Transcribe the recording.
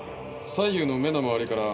左右の目の周りから頤。